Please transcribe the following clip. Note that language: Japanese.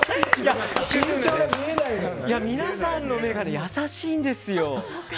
皆さんの目が優しいんですよ。